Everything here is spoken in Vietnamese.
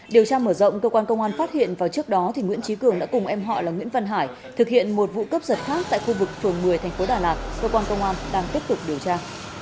điều tra mở rộng cơ quan công an phát hiện vào trước đó nguyễn trí cường đã cùng em họ là nguyễn văn hải thực hiện một vụ cướp giật khác tại khu vực phường một mươi tp đà lạt cơ quan công an đang tiếp tục điều tra